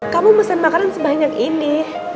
kamu mesen makanan sebanyak ini